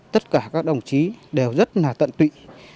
tất cả các đồng chí đều rất là tận tụy